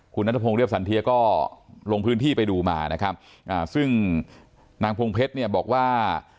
คุณนัทพงศ์เรียบสันเทียก็ลงพื้นที่ไปดูมานะครับซึ่งนางพงเพชรเนี่ยบอกว่า